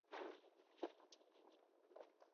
La óptica del telescopio cuenta con controles activos.